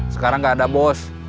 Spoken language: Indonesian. sekarang gak ada bos